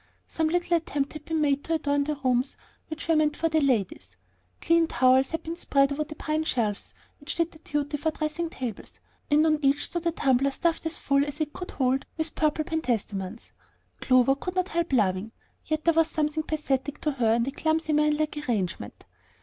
Some little attempt had been made to adorn the rooms which were meant for the ladies. Clean towels had been spread over the pine shelves which did duty for dressing tables, and on each stood a tumbler stuffed as full as it could hold with purple pentstemons. Clover could not help laughing, yet there was something pathetic to her in the clumsy, man like arrangement.